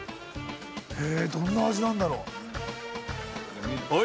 へえどんな味なんだろ。